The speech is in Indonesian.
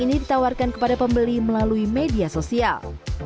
ini ditawarkan kepada pembeli melalui media sosial